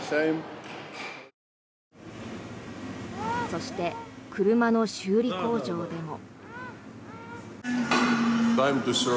そして、車の修理工場でも。